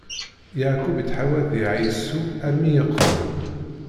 Yeɛqub ittḥawat di Ɛisu armi i yeqbel.